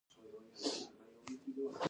خټکی د پاکو لاسونو میوه ده.